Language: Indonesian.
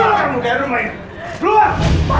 keluar kamu dari rumah ini keluar